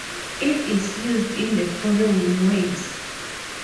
It is used in the following ways.